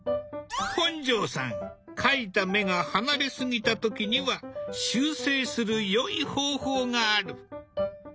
本上さん描いた目が離れすぎた時には修正する良い方法がある。